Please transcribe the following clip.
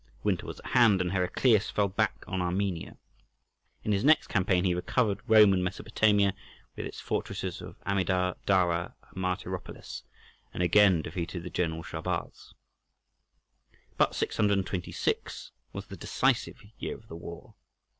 Winter was at hand, and Heraclius fell back on Armenia. In his next campaign he recovered Roman Mesopotamia, with its fortresses of Amida, Dara, and Martyropolis, and again defeated the general Shahrbarz. But 626 was the decisive year of the war.